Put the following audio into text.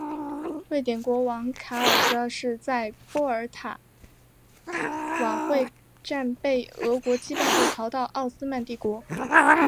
瑞典国王卡尔十二世在波尔塔瓦会战被俄国击败后逃到奥斯曼帝国。